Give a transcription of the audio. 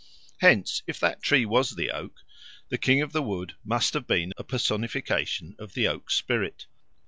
Hence if that tree was the oak, the King of the Wood must have been a personification of the oakspirit.